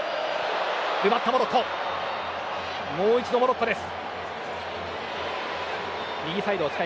奪ってもう一度モロッコです。